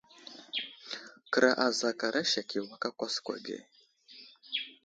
Kəra azakara sek i awak a kwaakwa ge.